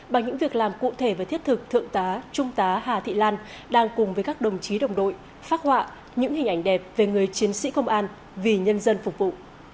bằng những việc làm cụ thể và thiết thực thượng tá trung tá hà thị lan đang cùng với các đồng chí đồng đội phát họa những hình ảnh đẹp về người chiến sĩ công an vì nhân dân phục vụ